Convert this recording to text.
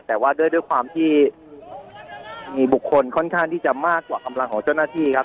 แต่ว่าด้วยความที่มีบุคคลค่อนข้างที่จะมากกว่ากำลังของเจ้าหน้าที่ครับ